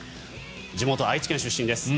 地元・愛知県の出身です。